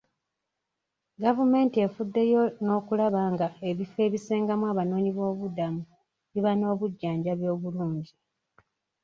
Gavumenti efuddeyo n'okulaba nga ebifo ebisengamu abanoonyiboobubudamu biba n'obujjanjabi obulungi.